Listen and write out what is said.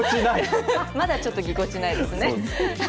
まだちょっとぎこちないですね。